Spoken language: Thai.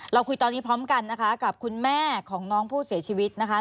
เราคุยตอนนี้พร้อมกันนะคะกับคุณแม่ของน้องผู้เสียชีวิตนะคะ